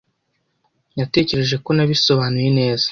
Natekereje ko nabisobanuye neza.